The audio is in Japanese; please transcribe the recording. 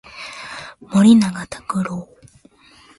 森永卓郎